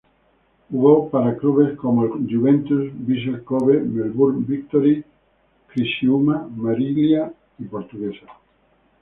Jugó para clubes como el Juventus, Vissel Kobe, Melbourne Victory, Criciúma, Marília y Portuguesa.